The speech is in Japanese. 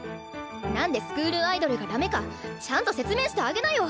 なんでスクールアイドルがダメかちゃんと説明してあげなよ！